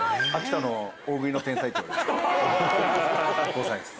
５歳です。